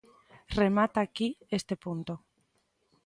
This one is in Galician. Remata aquí este punto.